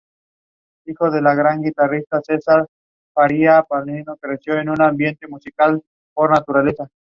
A veces son pardas.